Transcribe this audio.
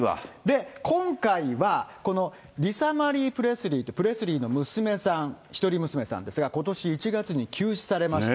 今回は、このリサ・マリー・プレスリーって、プレスリーの娘さん、一人娘さんですが、ことし１月に急死されました。